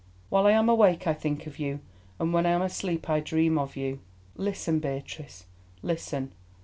While I am awake I think of you, and when I am asleep I dream of you. Listen, Beatrice, listen!